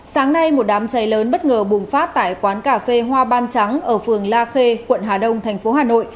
sáng nay một đám cháy lớn bất ngờ bùng phát tại quán cà phê hoa ban trắng ở phường la khê quận hà đông thành phố hà nội